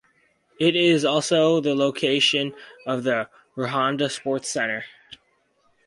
It is also the location of the Rhondda Sports Centre.